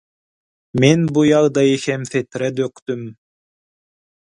Men bu ýagdaýy hem setire dökdüm.